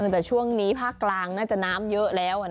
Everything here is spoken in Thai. แต่ช่วงนี้ภาคกลางน่าจะน้ำเยอะแล้ว